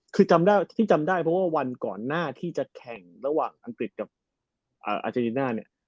คือจำได้เพราะวันก่อนหน้าที่จะแข่งระหว่างอังกฤษกับอาร์เจนติน่าเนี่ย